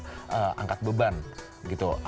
kita angkat beban gitu